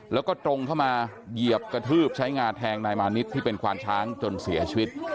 แล้วก็ตรงเข้ามาเหยียบกระทืบใช้งาแทงนายมานิดที่เป็นควานช้างจนเสียชีวิต